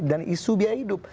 dan isu biaya hidup